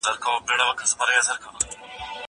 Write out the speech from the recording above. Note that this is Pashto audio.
موبایل د زده کوونکي له خوا کارول کيږي.